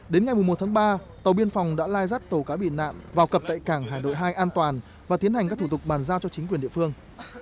đến ngày một tháng ba tàu biên phòng đã lai rắt tàu cá bị nạn vào cập tại cảng hải đội hai an toàn và tiến hành các thủ tục bàn giao cho chính quyền địa phương